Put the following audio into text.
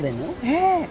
ええ！